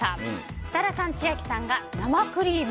設楽さん、千秋さんが生クリーム。